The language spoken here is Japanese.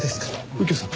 右京さん。